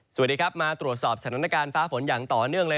สวัสดีครับมาตรวจสอบสถานการณ์ฟ้าฝนอย่างต่อเนื่องเลย